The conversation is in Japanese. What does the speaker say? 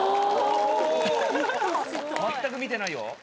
全く見てないよ。